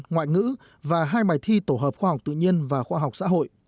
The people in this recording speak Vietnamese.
ngoại ngữ và hai bài thi tổ hợp khoa học tự nhiên và khoa học xã hội